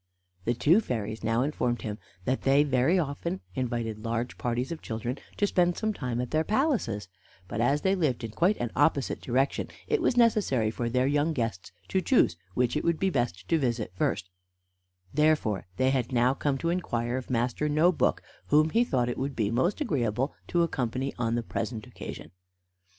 The two fairies now informed him that they very often invited large parties of children to spend some time at their palaces, but as they lived in quite an opposite direction, it was necessary for their young guests to choose which it would be best to visit first; therefore they had now come to inquire of Master No book whom he thought it would be most agreeable to accompany on the present occasion.